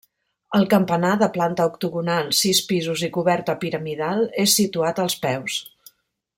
El campanar, de planta octogonal, sis pisos i coberta piramidal, és situat als peus.